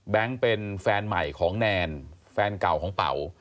เป็นแฟนใหม่ของแนนแฟนเก่าของเป๋า